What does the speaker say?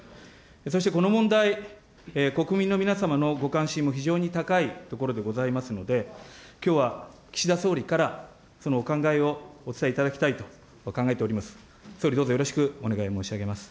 そしてこの問題、国民の皆様のご関心も非常に高いところでございますので、きょうは岸田総理からそのお考えをお伝えいただきたいと考えております。